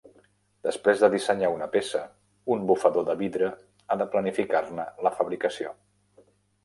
Després de dissenyar una peça, un bufador de vidre ha de planificar-ne la fabricació.